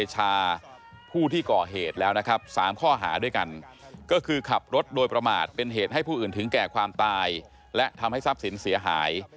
ให้ผู้อื่นถึงแก่ความตายและทำให้ทรัพย์ศิลป์เสียหาย